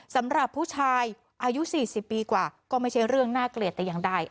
สำหรับผู้ชายอายุ๔๐ปีกว่าก็ไม่ใช่เรื่องน่าเกลียดแต่อย่างใด